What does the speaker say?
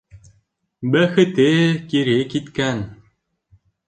Бәхете кире киткән.